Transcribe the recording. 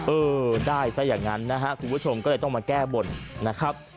เออได้ซะอย่างนั้นนะฮะคุณผู้ชมก็เลยต้องมาแก้บนนะครับ